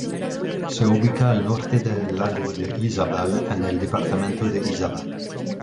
Se ubica al norte del lago de Izabal, en el departamento de Izabal.